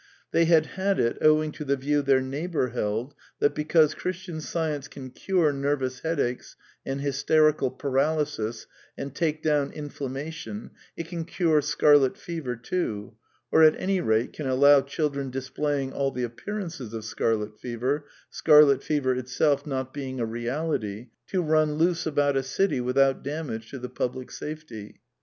They had had it owing to the view their neighbour held that, because Christian Science can cure nervous headaches and hysterical paralysis and take down inflammation, it can cure scarlet fever too, or at any rate can allow children displaying all the appearances of scarlet fever (scarlet fever itself not being a reality) to run loose about a city without damage to the public safety.